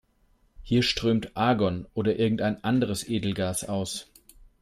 Hier strömt Argon oder irgendein anderes Edelgas aus.